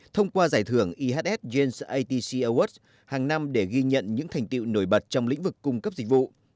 thông qua giải thưởng ihs james a t c awards hàng năm để ghi nhận những thành tiệu nổi bật trong lĩnh vực cung cấp dịch vụ